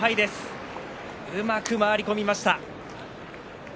うまく回り込みました。